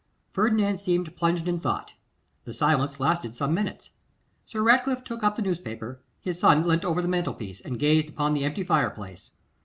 Ferdinand seemed plunged in thought. The silence lasted some minutes. Sir Ratcliffe took up the newspaper; his son leant over the mantel piece, and gazed upon the empty fire place.